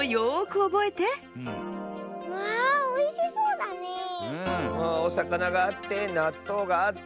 おさかながあってなっとうがあって。